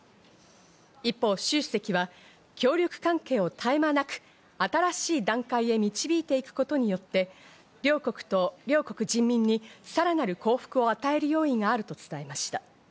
一方、シュウ主席は協力関係を絶え間なく新しい段階へ導いていくことによって両国と両国人民にさらなる幸福を与える用意があると伝えました。